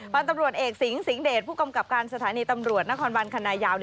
พันธุ์ตำรวจเอกสิงสิงหเดชผู้กำกับการสถานีตำรวจนครบันคณะยาว